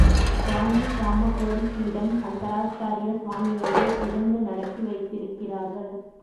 காஞ்சி காமகோடி பீடம் சங்கராச்சார்ய சுவாமிகளே இருந்து நடத்தி வைத்திருக்கிறார்கள்.